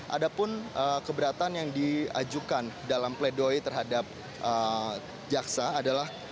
ada pun keberatan yang diajukan dalam pledoi terhadap jaksa adalah